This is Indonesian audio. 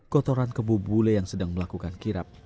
kotoran kebu bule yang sedang melakukan kirap